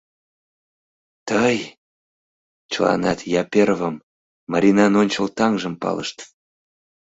Тый?! — чыланат Яперовым, Маринан ончыл таҥжым, палышт.